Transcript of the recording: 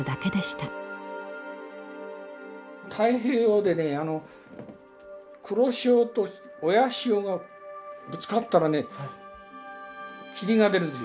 太平洋でね黒潮と親潮がぶつかったらね霧が出るんですよ。